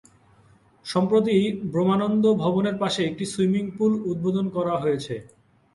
সম্প্রতি ব্রহ্মানন্দ ভবনের পাশে একটি সুইমিং পুল উদ্বোধন করা হয়েছে।